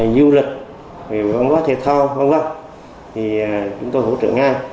du lịch văn hóa thể thao văn hóa thì chúng tôi hỗ trợ ngay